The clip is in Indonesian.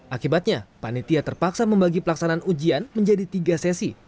akibatnya panitia terpaksa membagi pelaksanaan ujian menjadi tiga sesi